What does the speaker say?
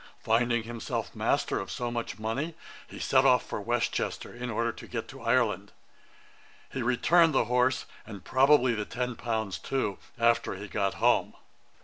Finding himself master of so much money, he set off for West Chester, in order to get to Ireland. He returned the horse, and probably the ten pounds too, after he got home.' [Page 106: Mr. Henry Hervey. A.D. 1737.